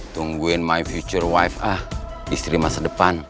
tungguin future wife ah istri masa depan